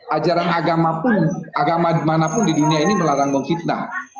ajaran agama pun agama manapun di dunia ini melarang memfitnah